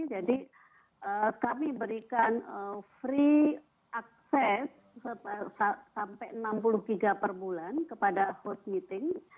jadi kami berikan free access sampai enam puluh giga per bulan kepada host meeting